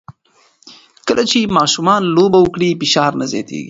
کله چې ماشومان لوبه وکړي، فشار نه زیاتېږي.